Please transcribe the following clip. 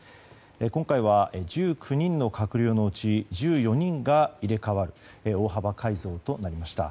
今回は１９人の閣僚のうち１４人が入れ替わる大幅改造となりました。